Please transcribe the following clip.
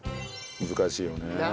難しいよねえ。